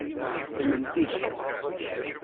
Ddmen-t-id.